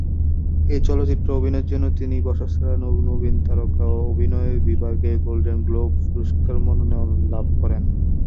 এই চলচ্চিত্রে অভিনয়ের জন্য তিনি বর্ষসেরা নবীন তারকা অভিনেত্রী বিভাগে গোল্ডেন গ্লোব পুরস্কারের মনোনয়ন লাভ করেন।